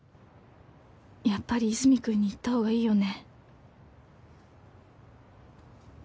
やっぱり和泉君に言った方がいいよね